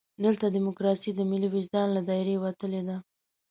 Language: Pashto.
دلته ډیموکراسي د ملي وجدان له دایرې وتلې ده.